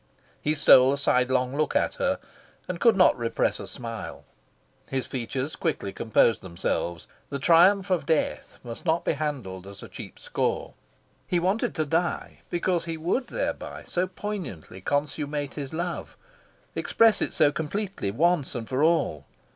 He stole a sidelong look at her, and could not repress a smile. His features quickly composed themselves. The Triumph of Death must not be handled as a cheap score. He wanted to die because he would thereby so poignantly consummate his love, express it so completely, once and for all...